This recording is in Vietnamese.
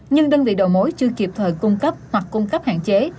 nhưng đơn vị đầu mối chưa kịp thời cung cấp hoặc cung cấp hạn chế